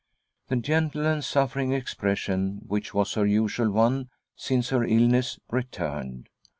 The gentle and suffering expression, which was her usual one since her illness, returned.